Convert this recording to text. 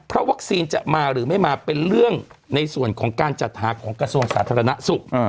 เพราะวัคซีนจะมาหรือไม่มาเป็นเรื่องในส่วนของการจัดหาของกระทรวงสาธารณสุข